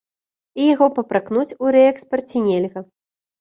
І яго папракнуць у рээкспарце нельга.